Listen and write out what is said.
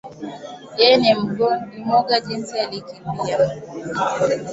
Yeye ni mwoga jinsi alikimbia